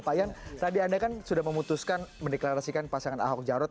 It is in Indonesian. pak ian tadi anda kan sudah memutuskan mendeklarasikan pasangan ahok jarot